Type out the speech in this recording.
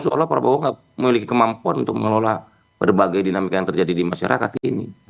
seolah olah prabowo tidak memiliki kemampuan untuk mengelola berbagai dinamika yang terjadi di masyarakat ini